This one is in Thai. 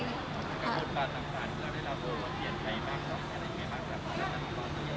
กับมุกมาต่างเราได้รับโทรเวิร์ดเทียนใดมาก